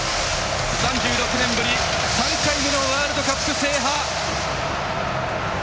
３６年ぶり３回目のワールドカップ制覇！